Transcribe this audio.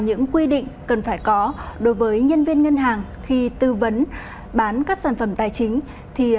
những quy định cần phải có đối với nhân viên ngân hàng khi tư vấn bán các sản phẩm tài chính thì